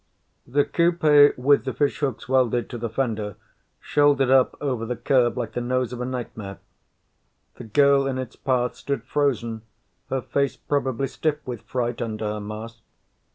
The coupe with the fishhooks welded to the fender shouldered up over the curb like the nose of a nightmare. The girl in its path stood frozen, her face probably stiff with fright under her mask.